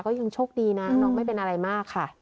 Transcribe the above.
ยังโชคดีนะน้องไม่เป็นอะไรมากค่ะ